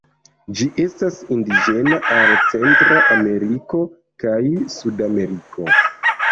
Ĝi estas indiĝena al Centra Ameriko kaj Sudameriko.